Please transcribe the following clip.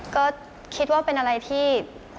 ก็คิดว่าเป็นอะไรที่